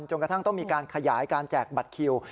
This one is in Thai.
จนกระทั่งต้องมีการขยายการแจกบัตรคิว